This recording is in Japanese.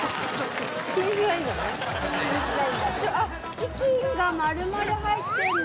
あっチキンが丸々入ってるんだ。